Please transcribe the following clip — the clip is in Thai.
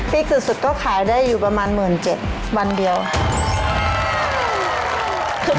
ที่สุดก็ขายได้อยู่ประมาณ๑๗๐๐วันเดียวค่ะ